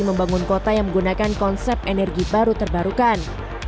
membangun kota yang menggunakan konsep energi baru terbarukan